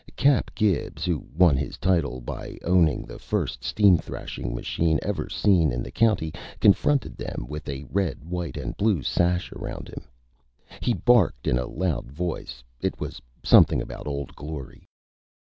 Cap Gibbs, who won his Title by owning the first Steam Thrashing Machine ever seen in the County, confronted them with a Red, White, and Blue Sash around him. He Barked in a loud Voice it was something about Old Glory.